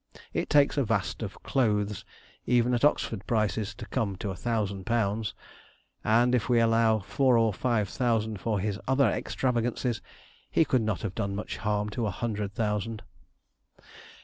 It takes a vast of clothes, even at Oxford prices, to come to a thousand pounds, and if we allow four or five thousand for his other extravagances, he could not have done much harm to a hundred thousand.